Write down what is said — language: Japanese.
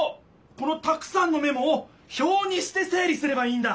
このたくさんのメモをひょうにして整理すればいいんだ！